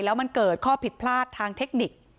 แล้วมันเกิดข้อผิดพลาดทางเทคนิค